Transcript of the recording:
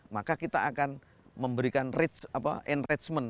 maka kita akan memberikan enragement